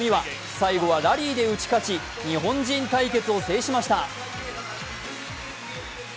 最後はラリーで打ち勝ち、日本人対決を制しました。